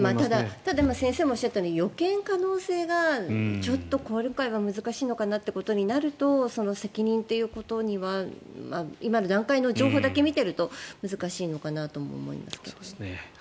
ただ先生もおっしゃったように予見可能性がちょっと今回は難しいのかなということになると責任ということには今の段階の情報だけ見ていると難しいのかなとも思います。